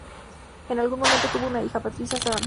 En algún momento, tuvo una hija, Patricia Swann.